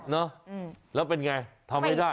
เนอะแล้วเป็นไงทำไม่ได้